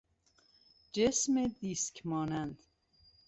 جسم دیسک مانند